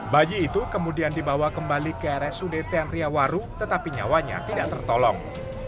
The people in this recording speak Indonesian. bayi itu kemudian dibawa kembali ke rsud tan riawaru tetapi nyawanya tidak tertolong